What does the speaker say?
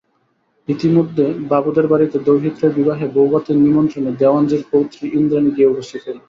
ইতিমধ্যে বাবুদের বাড়িতে দৌহিত্রের বিবাহে বউভাতের নিমন্ত্রণে দেওয়ানজির পৌত্রী ইন্দ্রাণী গিয়া উপস্থিত হইল।